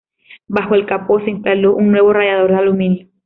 Bajo el capó se instaló un nuevo radiador de aluminio.